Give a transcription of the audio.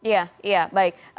ya ya baik